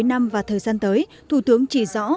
cuối năm và thời gian tới thủ tướng chỉ rõ